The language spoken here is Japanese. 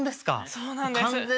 そうなんです。